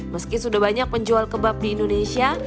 meski sudah banyak penjual kebab di indonesia